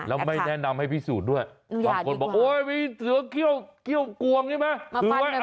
แล้วไม่แนะนำให้พิสูจน์ด้วยบางคนมีส่วนว่าเสื้อเกลี้ยวกวงอย่างนี้ไหม